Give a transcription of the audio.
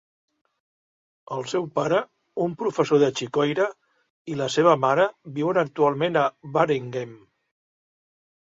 El seu pare, un professor de xicoira, i la seva mare, viuen actualment a Waregem.